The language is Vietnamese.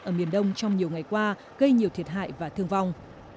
ở miền đông trong nhiều ngày qua gây nhiều thiệt hại và thương vong